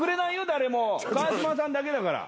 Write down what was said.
誰も川島さんだけだから。